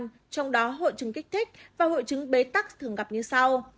trong đó hội chứng kích thích và hội chứng bế tắc thường gặp như sau